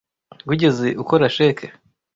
Wigeze ukora cheque?